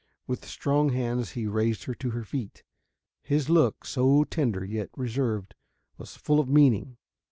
With strong hands he raised her to her feet. His look, so tender yet reserved, was full of meaning.